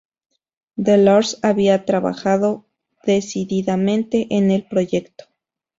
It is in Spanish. Delors había trabajado decididamente en el proyecto.